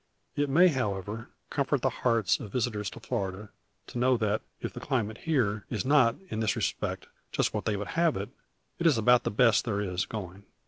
It may, however, comfort the hearts of visitors to Florida to know, that, if the climate here is not in this respect just what they would have it, it is about the best there is going.